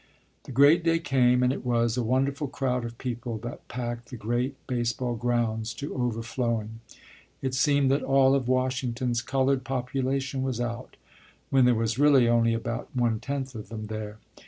The great day came, and it was a wonderful crowd of people that packed the great baseball grounds to overflowing. It seemed that all of Washington's colored population was out, when there were really only about one tenth of them there.